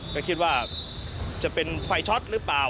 ก็คิดว่าจะเป็นไฟช็อตหรือเปล่า